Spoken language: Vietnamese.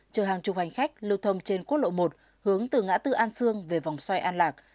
chờ hàng chục hành khách lưu thông trên quốc lộ một hướng từ ngã tư an sương về vòng xoay an lạc